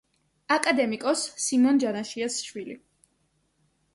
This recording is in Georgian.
აკადემიკოს სიმონ ჯანაშიას შვილი.